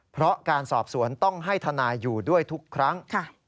เพราะการสอบสวนต้องให้ทนายอยู่ด้วยทุกครั้ง